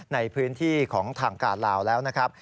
ในพื้นที่ของทางการลาวแล้วนะครับ